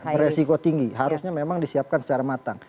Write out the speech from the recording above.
beresiko tinggi harusnya memang disiapkan secara matang